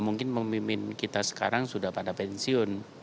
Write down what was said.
mungkin pemimpin kita sekarang sudah pada pensiun